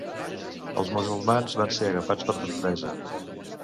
Els musulmans van ser agafats per sorpresa.